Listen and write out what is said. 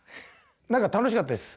何か楽しかったです。